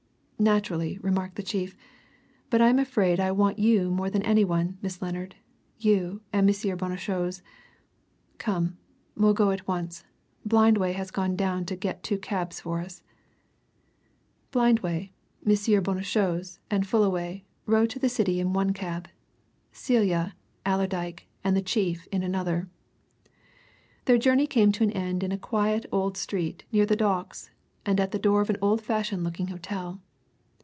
"Naturally," remarked the chief. "But I'm afraid I want you more than any one, Miss Lennard you and M. Bonnechose. Come we'll go at once Blindway has gone down to get two cabs for us." Blindway, M. Bonnechose, and Fullaway rode to the City in one cab; Celia, Allerdyke, and the chief in another. Their journey came to an end in a quiet old street near the Docks, and at the door of an old fashioned looking hotel.